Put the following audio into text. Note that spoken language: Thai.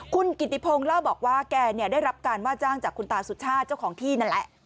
คุณกิติพงศ์เล่าบอกว่าแกได้รับการว่าจ้างจากคุณตาสุชาติเจ้าของที่นั่นแหละ